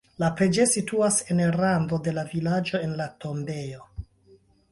La preĝejo situas en rando de la vilaĝo en la tombejo.